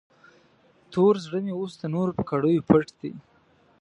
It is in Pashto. تور زړه مې اوس د نور په کړیو پټ دی.